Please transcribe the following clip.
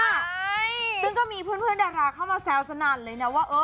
ใช่ซึ่งก็มีเพื่อนดาราเข้ามาแซวสนั่นเลยนะว่าเออ